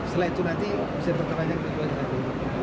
setelah itu nanti bisa bertelanjang tujuh hari nanti